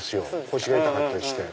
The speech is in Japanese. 腰が痛かったりして。